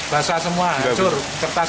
basah semua ya pak